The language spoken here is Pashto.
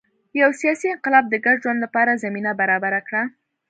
یو سیاسي انقلاب د ګډ ژوند لپاره زمینه برابره کړه.